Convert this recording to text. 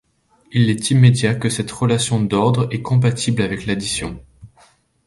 Il est immédiat que cette relation d'ordre est compatible avec l'addition.